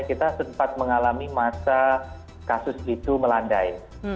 kita sempat mengalami masa kasus itu melandai